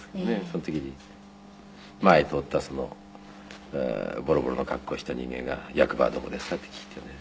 その時に前通ったボロボロの格好をした人間が「役場はどこですか？」って聞いてね。